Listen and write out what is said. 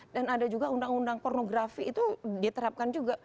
dan ada juga undang undang pornografi itu diterapkan juga